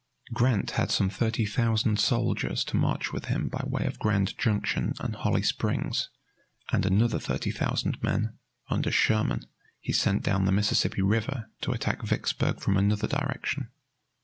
Grant had some thirty thousand soldiers to march with him by way of Grand Junction and Holly Springs, and another thirty thousand men, under Sherman, he sent down the Mississippi River to attack Vicksburg from another direction.